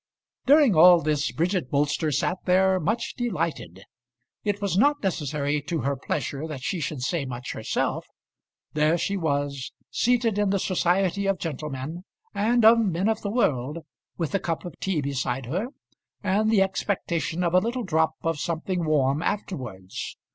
During all this Bridget Bolster sat there much delighted. It was not necessary to her pleasure that she should say much herself. There she was seated in the society of gentlemen and of men of the world, with a cup of tea beside her, and the expectation of a little drop of something warm afterwards.